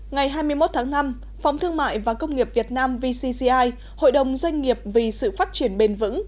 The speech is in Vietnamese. ngày hai mươi một tháng năm phóng thương mại và công nghiệp việt nam vcci hội đồng doanh nghiệp vì sự phát triển bền vững